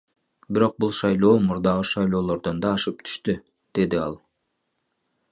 Бирок бул шайлоо мурдагы шайлоолордон да ашып түштү, — деди ал.